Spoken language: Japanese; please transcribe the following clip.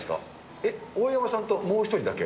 えっ、大山さんともう１人だけ？